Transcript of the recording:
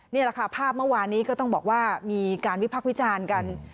นี่แหละค่ะภาพเมื่อวานนี้ก็ต้องบอกว่ามีการวิพักษ์วิจารณ์กัน